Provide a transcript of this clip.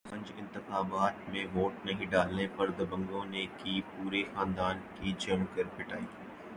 سرپنچ انتخابات میں ووٹ نہیں ڈالنے پر دبنگوں نے کی پورے خاندان کی جم کر پٹائی